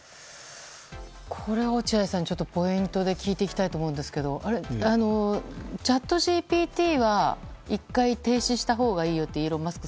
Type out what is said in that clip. これは落合さんポイントで聞いていきたいと思うんですけどチャットＧＰＴは１回停止したほうがいいよとイーロン・マスク